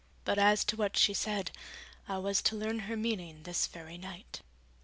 But as to what she said, I was to learn her meaning this very night.